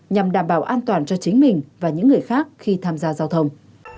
nhằm đảm bảo an toàn cho chính mình và những người khác khi tham gia giao thông